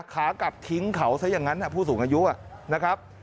ขากลับทิ้งเขาซะอย่างนั้นผู้สูงอายุนะครับ